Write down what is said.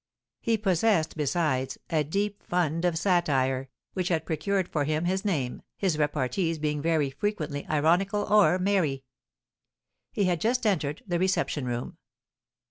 He possessed, besides, a deep fund of satire, which had procured for him his name, his repartees being very frequently ironical or merry. He had just entered the reception room.